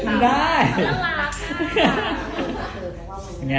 น่ารักค่ะ